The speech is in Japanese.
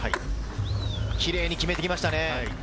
キレイに決めてきましたね。